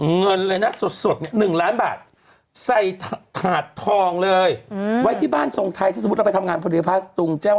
เงินเลยนะสด๑ล้านบาทใส่ถาดทองเลยไว้ที่บ้านทรงไทยถ้าสมมุติเราไปทำงานพอดีพัสดุงแก้ว